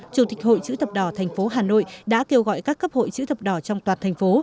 chủ tịch hội chữ thập đỏ thành phố hà nội đã kêu gọi các cấp hội chữ thập đỏ trong toàn thành phố